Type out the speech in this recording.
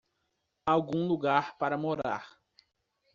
Algum lugar para morar!